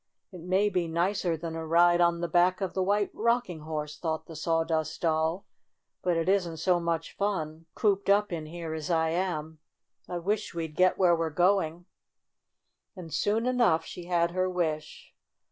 "It may be nicer than a ride on the back of the White Rocking Horse/ ' thought the Sawdust Doll, "but it isn't so much fun, cooped up here as I am. I wish we'd get where we're going." And, soon enough, she had her wish.